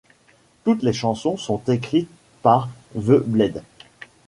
Toutes les chansons sont écrites par The Bled.